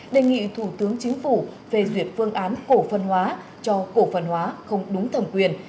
đề nghị thủ tướng chính phủ phê duyệt phương án cổ phân hóa cho cổ phần hóa không đúng thẩm quyền